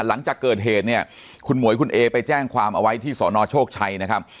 หลังจากเกิดเหตุเนี่ยคุณหมวยคุณเอไปแจ้งความเอาไว้ที่สนโชคชัยนะครับ